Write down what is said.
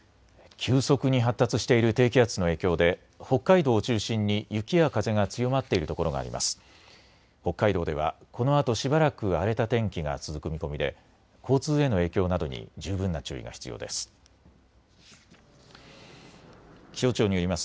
急速に発達している低気圧の影響で北海道を中心に雪や風が強まっている所があります。